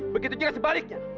begitu juga sebaliknya